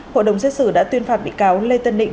hội đồng xét xử đã tuyên phạt bị cáo lê tân định